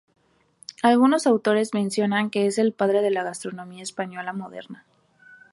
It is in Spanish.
Algunos autores mencionan que es el padre de la gastronomía española moderna.